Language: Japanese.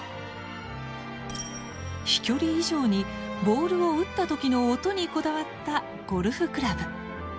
飛距離以上にボールを打った時の音にこだわったゴルフクラブ。